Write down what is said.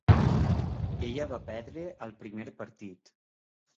Ella va perdre el primer partit.